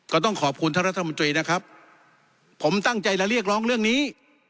ก็ต้องขอบคุณท่านรัฐมนตรีนะครับผมตั้งใจจะเรียกร้องเรื่องนี้